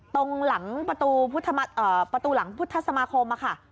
ตรงหลังประตูพุทธธรรมเอ่อประตูหลังพุทธสมาคมอะค่ะ